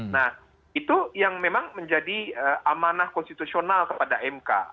nah itu yang memang menjadi amanah konstitusional kepada mk